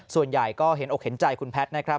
ส่วนใหญ่ก็เห็นอกเห็นใจคุณแพทย์นะครับ